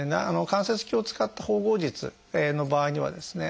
関節鏡を使った縫合術の場合にはですね